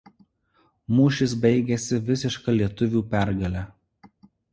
Mūšis baigėsi visiška lietuvių pergale.